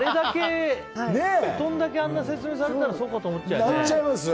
布団だけあんな説明されたらそうかと思っちゃうよね。